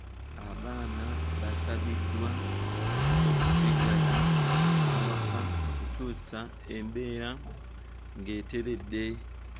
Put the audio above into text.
Abaana baasabiddwa okusigala awaka okutuusa embeera ng’eteredde.